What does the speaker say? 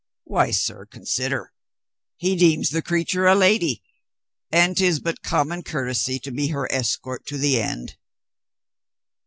"Why, sir, consider. He deems the creature a lady, and 'tis but common courtesy to be her escort to the end."